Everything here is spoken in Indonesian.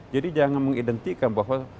jadi jangan mengidentikan bahwa